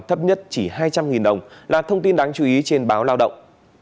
thấp nhất chỉ hai trăm linh đồng là thông tin đáng chú ý trên báo lao động